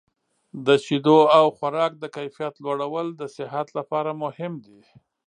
د شیدو او خوراک د کیفیت لوړول د صحت لپاره مهم دي.